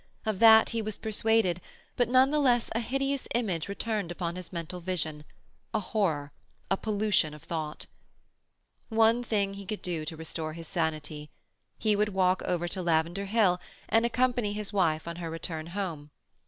Of that he was persuaded, but none the less a hideous image returned upon his mental vision—a horror—a pollution of thought. One thing he could do to restore his sanity. He would walk over to Lavender Hill, and accompany his wife on her return home.